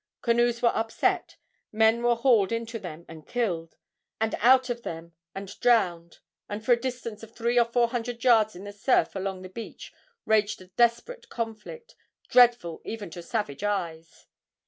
Canoes were upset; men were hauled into them and killed, and out of them and drowned, and for a distance of three or four hundred yards in the surf along the beach raged a desperate conflict, dreadful even to savage eyes.